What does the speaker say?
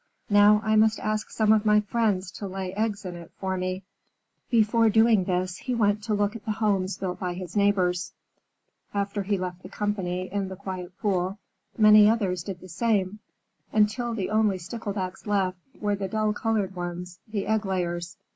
Now I must ask some of my friends to lay eggs in it for me." Before doing this, he went to look at the homes built by his neighbors. After he left the company in the quiet pool, many others did the same, until the only Sticklebacks left there were the dull colored ones, the egg layers.